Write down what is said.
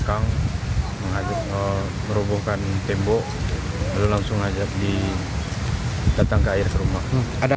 kita menghubungkan tembok lalu langsung aja datang ke air ke rumah